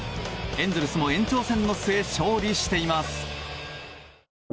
エンゼルスも延長戦の末、勝利しています。